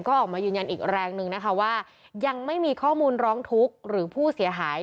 ก็ออกมายืนยันอีกแรงนึงนะคะว่ายังไม่มีข้อมูลร้องทุกข์หรือผู้เสียหาย